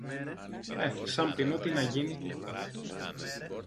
Ε, σαν πεινώ τι να γίνει;